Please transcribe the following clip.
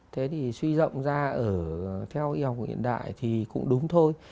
thế thì suy rộng ra ở theo ý học của hiện đại thì cũng đúng thôi